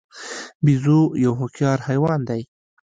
بیزو یو هوښیار حیوان دی.